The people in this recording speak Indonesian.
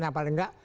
nah apalagi enggak